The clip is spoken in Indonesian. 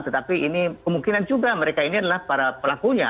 tetapi ini kemungkinan juga mereka ini adalah para pelakunya